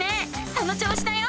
その調子だよ！